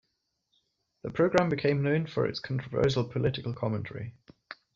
The program became known for its controversial political commentary.